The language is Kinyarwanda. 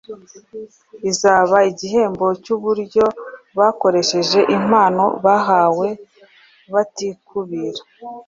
izaba igihembo cy’uburyo bakoresheje impano bahawe batikubira.